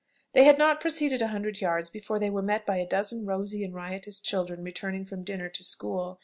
They had not proceeded a hundred yards, before they were met by a dozen rosy and riotous children returning from dinner to school.